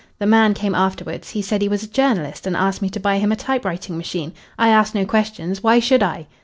The man came afterwards. He said he was a journalist and asked me to buy him a typewriting machine. I asked no questions. Why should I?"